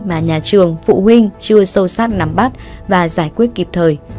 mà nhà trường phụ huynh chưa sâu sát nắm bắt và giải quyết kịp thời